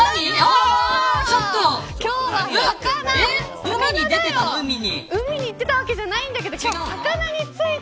今日は魚だよ、海に行っていたわけじゃないんだけどお魚について。